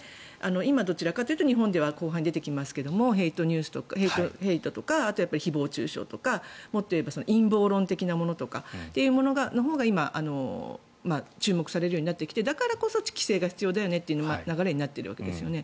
今、どちらかというと日本では後半に出てきますがヘイトとかあと、誹謗・中傷とかもっと言えば陰謀論的なものとかが今、注目されるようになってきてだからこそ規制が必要だよという流れになっているわけですね。